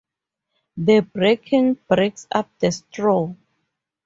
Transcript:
The breaking breaks up the straw.